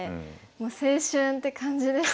もう青春って感じでしたね。